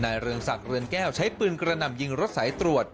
เรืองศักดิ์เรือนแก้วใช้ปืนกระหน่ำยิงรถสายตรวจ